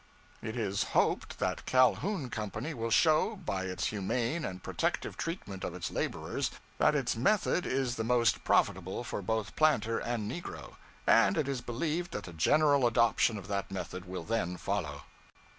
It is hoped that the Calhoun Company will show, by its humane and protective treatment of its laborers, that its method is the most profitable for both planter and negro; and it is believed that a general adoption of that method will then follow.